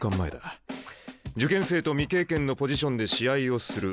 「受験生と未経験のポジションで試合をする」。